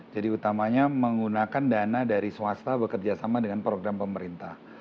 jadi utamanya menggunakan dana dari swasta bekerjasama dengan program pemerintah